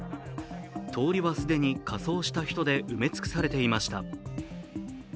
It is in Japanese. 通りは既に、仮装した人で埋め尽くされていました。